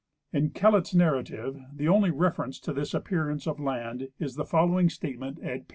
In Kellett 's narrative the only reference to this a])pearance of land is the following statement at p.